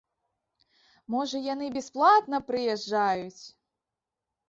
Можа яны бясплатна прыязджаюць!